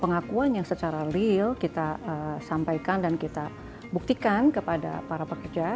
pengakuan yang secara real kita sampaikan dan kita buktikan kepada para pekerja